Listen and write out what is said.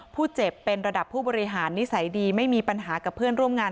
ผู้เจ็บเป็นระดับผู้บริหารนิสัยดีไม่มีปัญหากับเพื่อนร่วมงาน